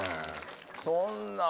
そんなん。